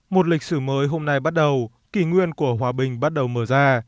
một lịch sử mới hôm nay bắt đầu kỷ nguyên của hòa bình bắt đầu mở ra